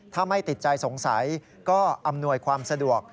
ถ้าไม่ติดใจสงสัยก็อำนวยความสะดวก